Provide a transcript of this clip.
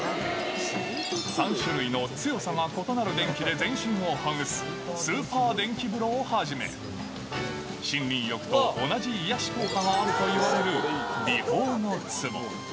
３種類の強さが異なる電気で全身をほぐすスーパー電気風呂をはじめ、森林浴と同じ癒やし効果があるといわれる、美泡の壺。